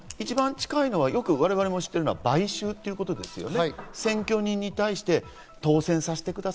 一番近いのは我々も知っているのは買収ということですね。